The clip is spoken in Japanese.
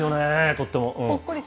とっても。